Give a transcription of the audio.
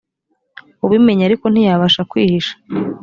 ubimenya ariko ntiyabasha kwihisha